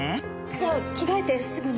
じゃあ着替えてすぐに。